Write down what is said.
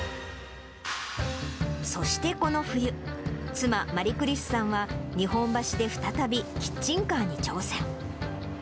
そしてこの冬、妻、マリクリスさんは、日本橋で再びキッチンカーに挑戦。